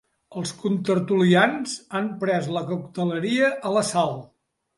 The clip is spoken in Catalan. Els contertulians han pres la cocteleria a l'assalt.